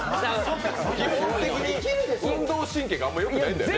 基本的に運動神経が実はあまりよくないんだよね？